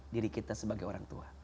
diri kita sebagai orang tua